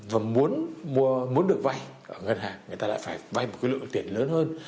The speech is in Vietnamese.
và muốn được vay ở ngân hàng người ta lại phải vay một cái lượng tiền lớn hơn